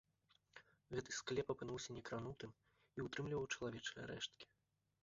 Гэты склеп апынуўся некранутым і ўтрымліваў чалавечыя рэшткі.